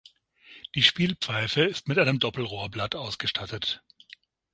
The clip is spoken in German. Die Spielpfeife ist mit einem Doppelrohrblatt ausgestattet.